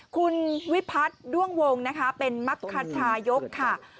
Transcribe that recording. คุณวิพัฒน์ด้วงวงนะคะเป็นมรรคชายกค่ะ